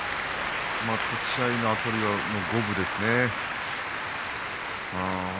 立ち合いのあたりは五分ですね。